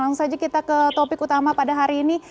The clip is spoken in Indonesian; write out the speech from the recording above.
langsung saja kita ke topik utama pada hari ini